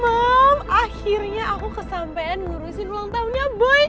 om akhirnya aku kesampean ngurusin ulang tahunnya boy